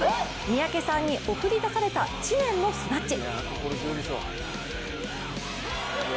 三宅さんに送り出された知念のスナッチ。